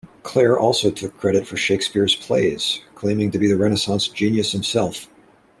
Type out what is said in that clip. Clare also took credit for Shakespeare's plays, claiming to be the Renaissance genius himself.